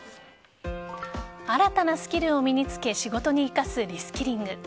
新たなスキルを身につけ仕事に生かすリスキリング。